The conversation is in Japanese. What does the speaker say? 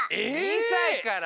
２さいから！